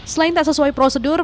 selain tak sesuai prosedur